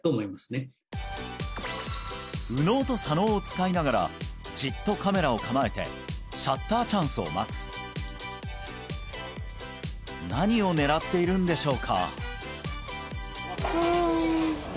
右脳と左脳を使いながらジッとカメラを構えてシャッターチャンスを待つ何を狙っているんでしょうか？